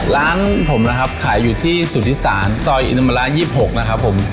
ร้านผมนะครับขายอยู่ที่สุทธิศาสตร์ซอยอินามาลา๒๖นะครับผม